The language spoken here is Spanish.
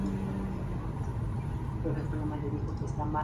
Tiene además el Aeropuerto clase C "Alberto Lleras Camargo".